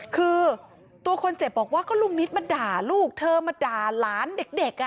คือตัวคนเจ็บบอกว่าก็ลุงนิดมาด่าลูกเธอมาด่าหลานเด็ก